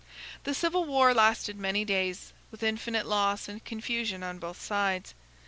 The civil war lasted many days, with infinite loss and confusion on both sides.